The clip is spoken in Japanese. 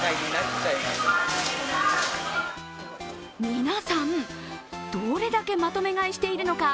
皆さん、どれだけまとめ買いしているのか。